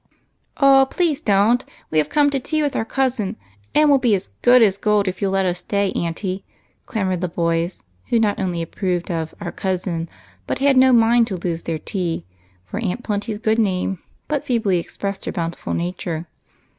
" Oh, please don't ! We have come to tea with our cousin, and we '11 be as good as gold if you '11 let us stay, auntie," clamored the boys, who not only ap proved of " our cousin," but had no mind to lose their tea, for Aunt Plenty's name but feebly expressed her bountiful nature.